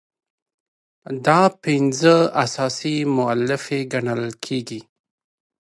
دا پنځه اساسي مولفې ګڼل کیږي.